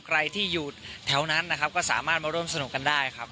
ใครที่อยู่แถวนั้นนะครับก็สามารถมาร่วมสนุกกันได้ครับ